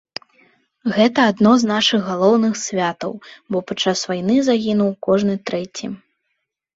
Гэта адно з нашых галоўных святаў, бо падчас вайны загінуў кожны трэці.